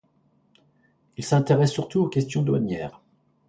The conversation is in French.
Il s'intéresse surtout aux questions douanières.